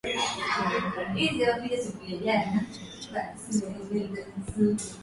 alijiunga na moja ya vyama vya upinzaji Chama cha Demokrasia na Maendeleo ambacho kilikuwa